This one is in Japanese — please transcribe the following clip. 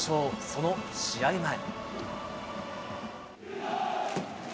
その試合前。